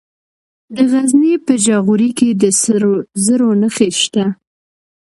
د غزني په جاغوري کې د سرو زرو نښې شته.